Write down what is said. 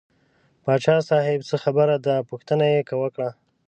پاچا صاحب څه خبره ده پوښتنه یې وکړه.